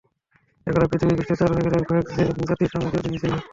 একদা পৃথিবী পৃষ্ঠের চার ভাগের একভাগ যে জাতির সাম্রাজ্যের অধীনে ছিল।